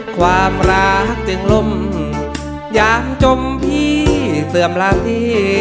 ความรักเจ็ดลมอย่างจมพี่เสื่อมลาเท